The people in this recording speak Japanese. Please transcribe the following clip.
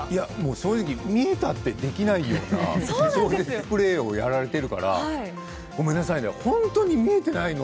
正直、見えたってできないような超絶プレーをやられているから本当に見えてないの？